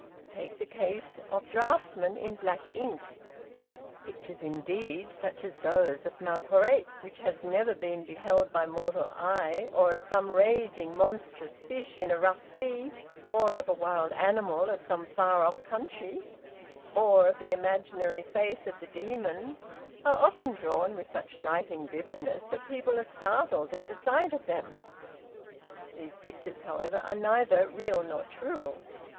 Take the case of draughtsmen in black ink. Pictures, indeed, such as those of Mount Horai, which has never been beheld by mortal eye, or of some raging monstrous fish in a rough sea, or of a wild animal of some far off country, or of the imaginary face of the demon, are often drawn with such striking vividness that people are startled at the sight of them. These pictures, however, are neither real nor true.